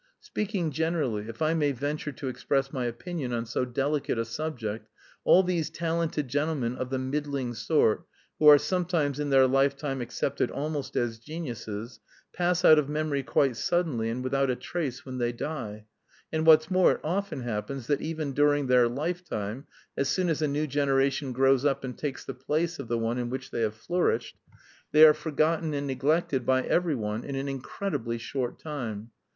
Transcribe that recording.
Speaking generally, if I may venture to express my opinion on so delicate a subject, all these talented gentlemen of the middling sort who are sometimes in their lifetime accepted almost as geniuses, pass out of memory quite suddenly and without a trace when they die, and what's more, it often happens that even during their lifetime, as soon as a new generation grows up and takes the place of the one in which they have flourished, they are forgotten and neglected by every one in an incredibly short time.